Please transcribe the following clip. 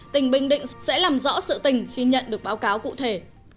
tỉnh bình định sẽ làm rõ sự tình khi nhận được báo cáo cụ thể